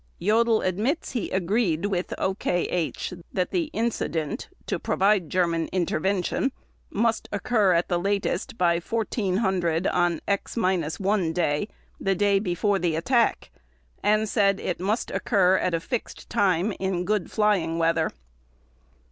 Jodl admits he agreed with OKH that the "incident" to provide German intervention must occur at the latest by 1400 on X 1 Day, the day before the attack, and said it must occur at a fixed time in good flying weather.